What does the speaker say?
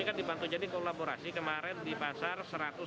ini kan dibantu jadi kolaborasi kemarin di pasar satu ratus lima puluh